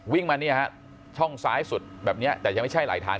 วิ่งมาเนี่ยฮะช่องซ้ายสุดแบบนี้แต่ยังไม่ใช่หลายทาง